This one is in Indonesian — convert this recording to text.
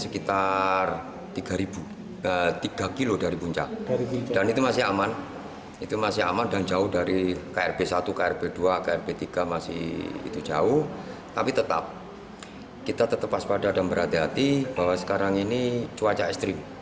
kampung dua kmp tiga masih jauh tapi tetap kita tetap waspada dan berhati hati bahwa sekarang ini cuaca ekstrim